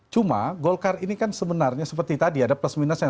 cuma golkar ini kan sebenarnya seperti tadi ada plus minusnya